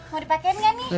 mau dipakein gak nih